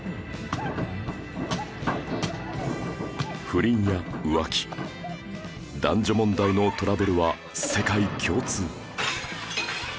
不倫や浮気男女問題のトラブルは世界共通